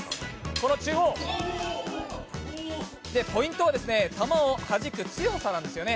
この中央、ポイントは玉をはじく強さなんですね。